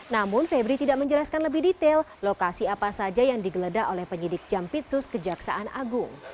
namun febri tidak menjelaskan lebih detail lokasi apa saja yang digeledah oleh penyidik jampitsus kejaksaan agung